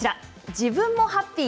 自分もハッピー！